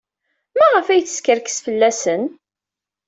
Maɣef ay teskerkes fell-asen?